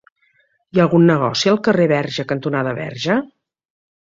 Hi ha algun negoci al carrer Verge cantonada Verge?